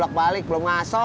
aku peyi penukang